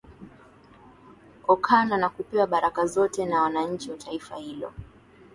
okana na kupewa baraka zote na wananchi wa taifa hilo